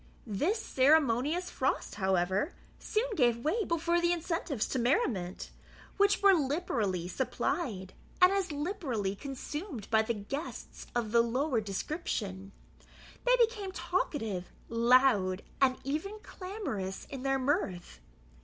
This ceremonious frost, however, soon gave way before the incentives to merriment, which were liberally supplied, and as liberally consumed by the guests of the lower description. They became talkative, loud, and even clamorous in their mirth.